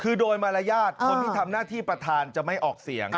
คือโดยมารยาทคนที่ทำหน้าที่ประธานจะไม่ออกเสียง